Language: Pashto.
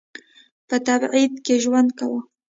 په تبعید کې ژوند کاوه.